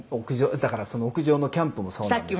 だから屋上のキャンプもそうなんですけど」